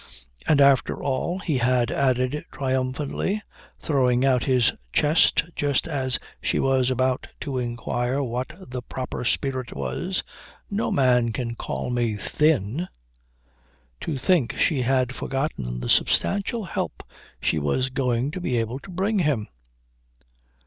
"And after all," he had added triumphantly, throwing out his chest just as she was about to inquire what the proper spirit was, "no man can call me thin " to think she had forgotten the substantial help she was going to be able to bring him!